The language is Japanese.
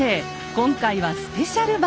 今回はスペシャル版！